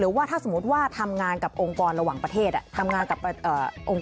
อ้อถือว่าดวงดีดวงเฮงมาก